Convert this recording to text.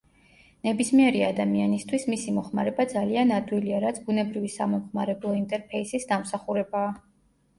ნებისმიერი ადამიანისთვის მისი მოხმარება ძალიან ადვილია, რაც ბუნებრივი სამომხმარებლო ინტერფეისის დამსახურებაა.